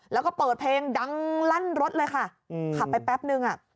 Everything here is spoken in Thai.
แล้วก็เปิดเพลงดังลั่นรถเลยค่ะขับไปแป๊บนึงอ่ะ